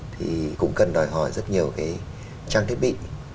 thì cũng cần đòi hỏi rất nhiều cái trang thiết bị